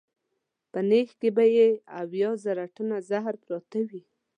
په نېښ کې به یې اویا زره ټنه زهر پراته وي.